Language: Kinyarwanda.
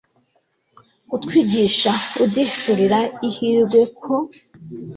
kutwigisha, uduhishurira ihirwe, ko